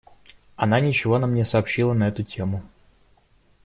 Она ничего нам не сообщила на эту тему.